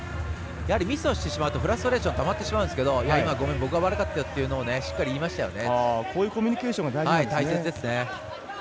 ミスをしてしまうとフラストレーションたまってしまうんですけど今、僕が悪かったよっていうことを言いましたよね。